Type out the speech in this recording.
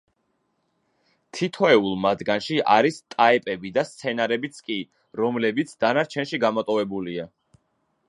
თითოეულ მათგანში არის ტაეპები და სცენებიც კი, რომლებიც დანარჩენში გამოტოვებულია.